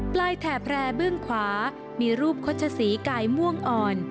ปลายแถ่แพร่เบื้องขวามีรูปคดชสีไก่ม่วงอ่อน